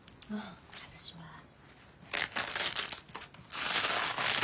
外します。